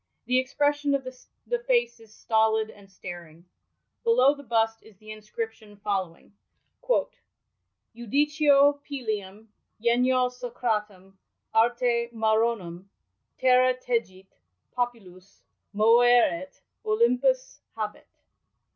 The expression of the face is stolid and staring.' Below the bust is the nscription following:— •• Ivdicio Pylium, genio Socratem, arte Maronem, Terra tegit, popylvs moeret, Olympvs habet."